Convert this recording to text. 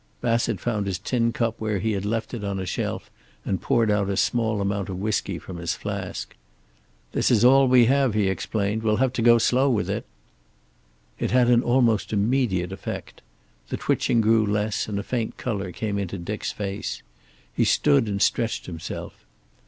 Bassett found his tin cup where he had left it on a shelf and poured out a small amount of whisky from his flask. "This is all we have," he explained. "We'll have to go slow with it." It had an almost immediate effect. The twitching grew less, and a faint color came into Dick's face. He stood up and stretched himself.